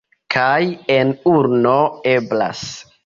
Kaj en urno eblas!